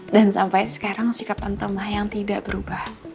dan sampai sekarang sikap tante mayang tidak berubah